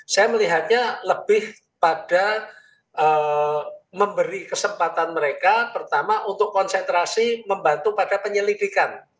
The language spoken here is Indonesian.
saya melihatnya lebih pada memberi kesempatan mereka pertama untuk konsentrasi membantu pada penyelidikan